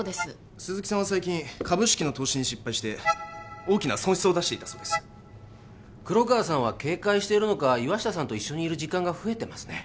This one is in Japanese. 鈴木さんは最近株式の投資に失敗して大きな損失を出していたそうです黒川さんは警戒しているのか岩下さんと一緒にいる時間が増えてますね